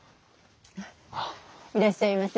いらっしゃいませ。